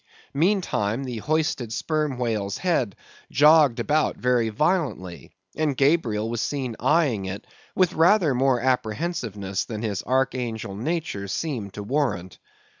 Meantime, the hoisted sperm whale's head jogged about very violently, and Gabriel was seen eyeing it with rather more apprehensiveness than his archangel nature seemed to warrant.